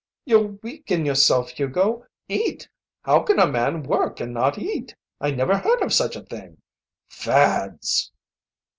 "You'll weaken yourself, Hugo! Eat! How can a man work and not eat? I never heard of such a thing. Fads!"